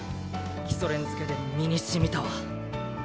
基礎練漬けで身にしみたわ。